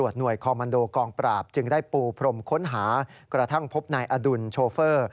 หน่วยคอมมันโดกองปราบจึงได้ปูพรมค้นหากระทั่งพบนายอดุลโชเฟอร์